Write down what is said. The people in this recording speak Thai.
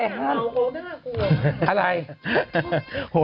เอาไปอย่างนี้ผมน่ากลัว